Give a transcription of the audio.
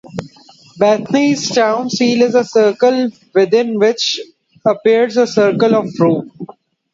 Bethany's town seal is a circle within which appears a circle of rope.